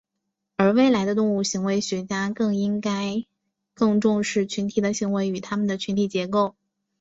而未来的动物行为学家应该更重视群体的行为与它们的群体结构。